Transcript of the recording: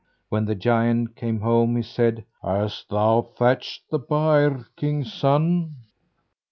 When the giant came home, he said: "Hast thou thatched the byre, king's son?"